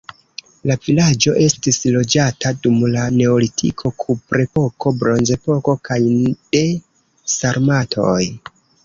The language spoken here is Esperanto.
La vilaĝo estis loĝata dum la neolitiko, kuprepoko, bronzepoko kaj de sarmatoj.